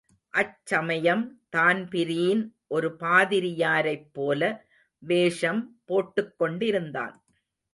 அச்சமயம் தான்பிரீன் ஒரு பாதிரியாரைப் போல வேஷம் போட்டுக்கொண்டிருந்தான்.